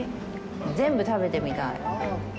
全部食べてみたい。